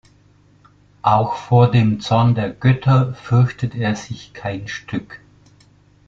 Auch vor dem Zorn der Götter fürchtet er sich kein Stück.